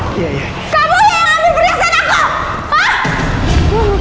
kamu yang ambil perhatian aku